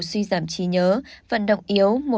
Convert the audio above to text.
suy giảm trí nhớ vận động yếu